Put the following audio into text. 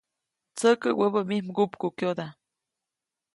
Tsäkä wäbä mij mgupkukyoda.